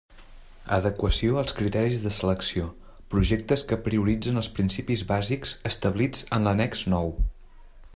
Adequació als criteris de selecció: projectes que prioritzen els principis bàsics establits en l'annex IX.